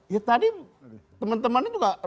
ya tadi teman teman itu ada ragu ragu